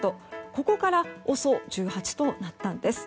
ここからＯＳＯ１８となったんです。